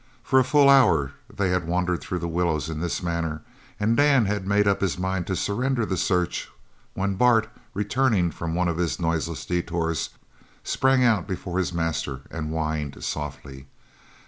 For a full hour they had wandered through the willows in this manner, and Dan had made up his mind to surrender the search when Bart, returning from one of his noiseless detours, sprang out before his master and whined softly.